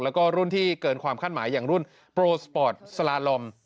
แล้วก็รุ่นที่เกินความคาดหมายอย่างรุ่นโปรสปอร์ตสลาลอม